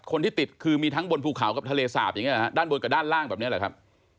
คนที่ติดคือมีทั้งบนภูเขากับทะเลสาบอย่างนี้ด้านบนกับด้านล่างแบบนี้แหละครับ